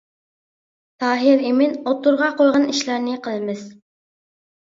تاھىر ئىمىن ئوتتۇرىغا قويغان ئىشلارنى قىلىمىز.